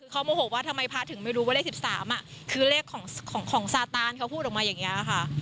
คือเขาโมโหว่าทำไมพระถึงไม่รู้ว่าเลข๑๓คือเลขของซาตานเขาพูดออกมาอย่างนี้ค่ะ